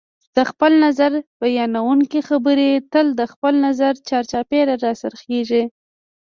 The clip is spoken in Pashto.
د خپل نظر بیانونکي خبرې تل د خپل نظر چار چاپېره راڅرخیږي